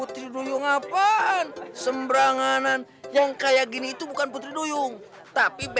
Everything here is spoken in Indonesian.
tidak ada orang yang membunuh diri